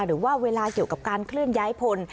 หรือว่าเวลาเกี่ยวกับการเคลื่อนย้ายพล